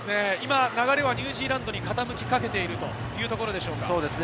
今、ニュージーランドに流れが傾きかけているということでしょうか？